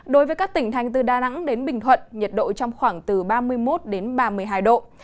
đối với các tỉnh thành từ đà nẵng đến bình thuận nhiệt độ trong khoảng từ ba mươi một đến ba mươi hai độ